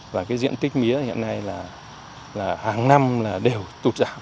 và diện tích mía hiện nay là hàng năm đều